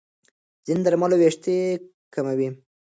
ځینې درملو وېښتې کموي.